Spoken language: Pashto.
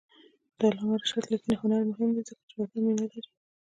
د علامه رشاد لیکنی هنر مهم دی ځکه چې وطن مینه لري.